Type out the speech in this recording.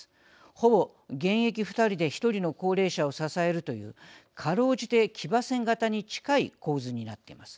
ほぼ、現役２人で１人の高齢者を支えるというかろうじて、騎馬戦型に近い構図になっています。